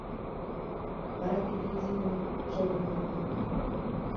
Вара тиде изи ныл шӧрынан атым пу.